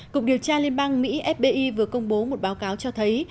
cục điều tra liên bang mỹ fbi vừa công bố một báo cáo cho thấy